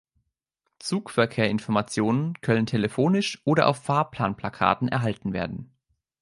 Zugverkehr Informationen können telefonisch oder auf Fahrplanplakaten erhalten werden.